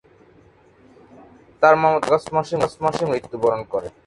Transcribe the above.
তার মামাতো ভাই আগস্ট মাসে মৃত্যুবরণ করে।